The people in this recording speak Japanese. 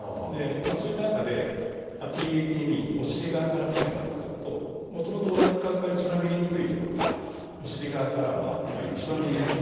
そういった中でＴａＴＭＥお尻側からカメラを使うともともとおなか側から一番見えにくい所がお尻側からは一番見えやすいんですよね。